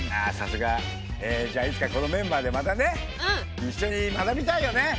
あさすが。えじゃあいつかこのメンバーでまたね一緒に学びたいよね。